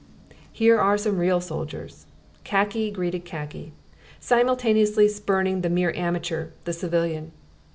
"Here are some real soldiers!" Khaki greeted khaki simultaneously spurning the mere amateur, the civilian.